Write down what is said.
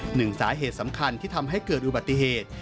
หนึ่งสาเหตุสำคัญที่ทำให้เกิดอุบัติเหตุ